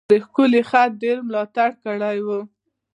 د ښکلی خط ډیر ملاتړ کړی و.